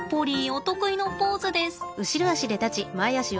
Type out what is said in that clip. お得意のポーズです。